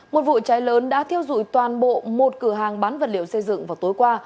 một vụ cháy lớn đã thiêu dụi toàn bộ một cửa hàng bán vật liệu xây dựng vào tối qua